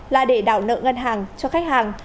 là để đảo nợ ngân hàng cho khách hàng